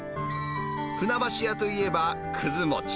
船橋屋といえばくず餅。